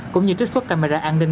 cũng như trích xuất camera an ninh